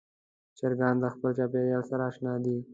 چرګان د خپل چاپېریال سره اشنا دي.